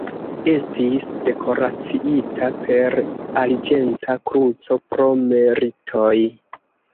Estis dekoraciita per Arĝenta kruco pro meritoj.